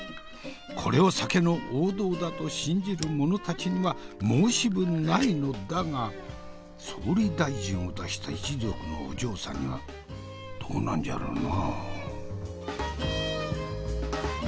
これを酒の王道だと信じる者たちには申し分ないのだが総理大臣を出した一族のお嬢さんにはどうなんじゃろな？